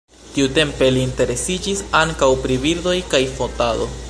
Tiutempe li interesiĝis ankaŭ pri birdoj kaj fotado.